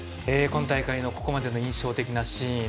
今大会のここまでの印象的なシーン。